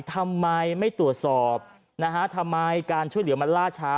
ทำไมไม่ตรวจสอบนะฮะทำไมการช่วยเหลือมันล่าช้า